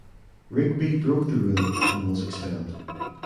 Rigby broke the rule and was expelled.